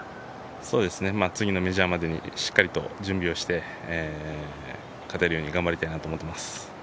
次のメジャーまでにしっかりと準備をして勝てるように頑張りたいなと思っています。